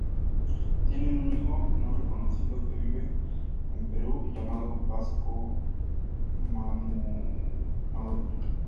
Tiene un hijo no reconocido que vive en Perú llamado Vasco Madueño.